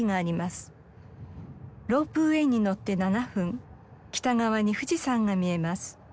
ロープウェーに乗って７分北側に富士山が見えます。